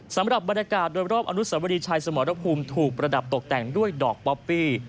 สำหรับบรรยากาศโดยรอบอนุสวรีชัยสมรภูมิถูกประดับตกแต่งด้วยดอกป๊อปปี้